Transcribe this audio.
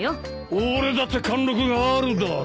俺だって貫禄があるだろ？